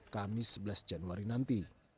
kamis sebelas januari nanti